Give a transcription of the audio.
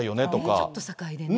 ちょっと境でね。